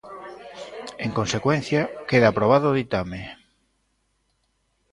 En consecuencia, queda aprobado o ditame.